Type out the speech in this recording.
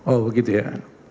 oh begitu ya